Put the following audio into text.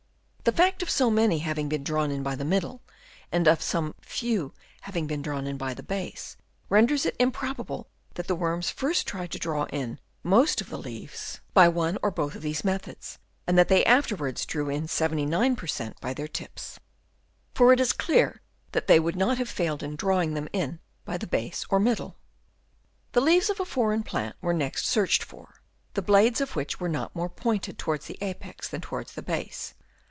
The fact of so many having been drawn in by the middle, and of some few having been drawn in by the base, renders it improbable that the worms first tried to draw in most of the leaves by one or both of these methods, and that they after wards drew in 79 per cent, by their tips ; g 2 70 HABITS OF WOKMS. Chap. II. for it is clear that they would not have failed in drawing them in by the base or middle. The leaves of a foreign plant were next searched for, the blades of which were not more pointed towards the apex than towards the base.